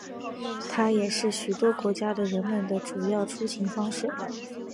它也是许多国家的人们的主要出行方式。